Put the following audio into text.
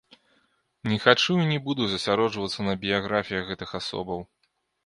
Не хачу і не буду засяроджвацца на біяграфіях гэтых асобаў.